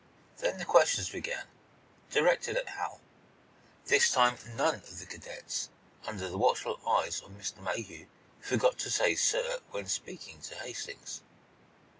Then the questions began, directed at Hal. This time none of the cadets, under the watchful eyes of Mr. Mayhew, forgot to say "sir" when speaking to Hastings.